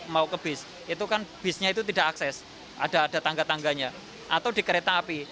pada saat di bis nih mau dari terminal mau ke bis itu kan bisnya itu tidak akses ada tangga tangganya atau di kereta api